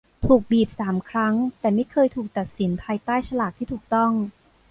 ถูกบีบสามครั้ง แต่ไม่เคยถูกตัดสินภายใต้ฉลากที่ถูกต้อง